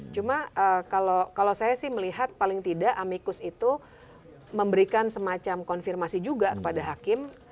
cuma kalau saya sih melihat paling tidak amikus itu memberikan semacam konfirmasi juga kepada hakim